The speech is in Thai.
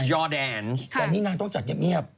แต่นี่นางต้องจัดเงียบ